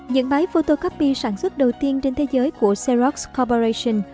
những máy photocopy sản xuất đầu tiên trên thế giới của xerox corporation